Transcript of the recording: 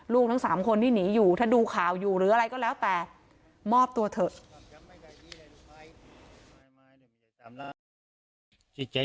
ทั้ง๓คนที่หนีอยู่ถ้าดูข่าวอยู่หรืออะไรก็แล้วแต่มอบตัวเถอะ